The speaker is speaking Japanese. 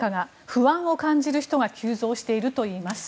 不安を感じる人が急増しているといいます。